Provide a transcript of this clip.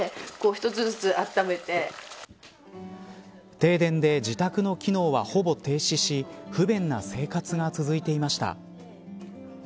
停電で自宅の機能はほぼ停止し不便な生活が続いていました。